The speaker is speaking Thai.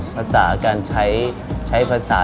ภาษาการใช้ภาษา